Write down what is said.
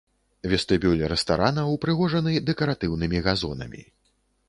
Вестыбюль рэстарана ўпрыгожаны дэкаратыўным газонамі.